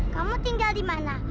kamu tinggal di mana